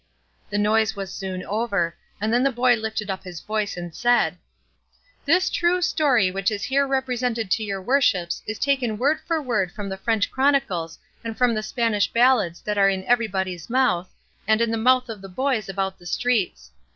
The noise was soon over, and then the boy lifted up his voice and said, "This true story which is here represented to your worships is taken word for word from the French chronicles and from the Spanish ballads that are in everybody's mouth, and in the mouth of the boys about the streets.